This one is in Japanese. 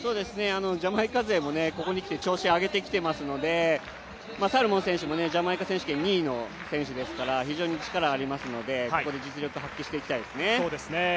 ジャマイカ勢もここにきて調子上げてきていますのでサルモン選手もジャマイカ選手権２位の選手ですから非常に力がありますのでここで実力を発揮していきたいですね。